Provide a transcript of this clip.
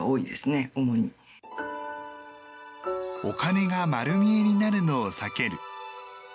お金が丸見えになるのを避ける。